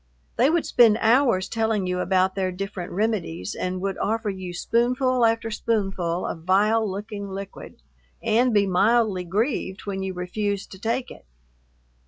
They would spend hours telling you about their different remedies and would offer you spoonful after spoonful of vile looking liquid, and be mildly grieved when you refused to take it.